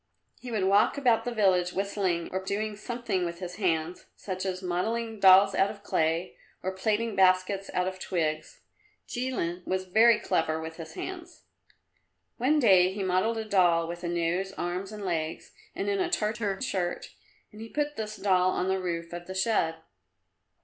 He would walk about the village whistling, or doing something with his hands, such as modelling dolls out of clay, or plaiting baskets out of twigs. Jilin was very clever with his hands. One day he modelled a doll with a nose, arms and legs and in a Tartar shirt, and he put this doll on the roof of the shed.